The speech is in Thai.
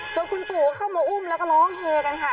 จนคุณปู่เข้ามาอุ้มแล้วก็ร้องเฮกันค่ะ